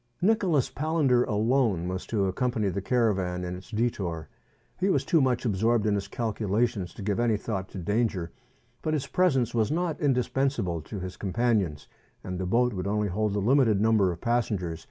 Nicholas Palander alone was to accompany the caravan in its detour. He was too much absorbed in his calculations to give any thought to danger ; but his presence was not indispensable to his companions, ^nd the boat would only hold a limited number of passengers.